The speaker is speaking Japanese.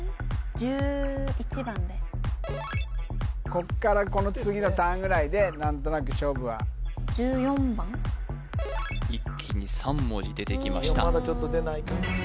こっからこの次のターンぐらいで何となく勝負は一気に３文字出てきましたでもまだちょっと出ないか